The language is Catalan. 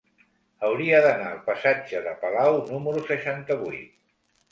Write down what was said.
Hauria d'anar al passatge de Palau número seixanta-vuit.